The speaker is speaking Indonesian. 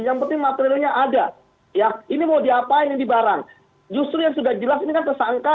yang penting materialnya ada ya ini mau diapain ini barang justru yang sudah jelas ini kan tersangka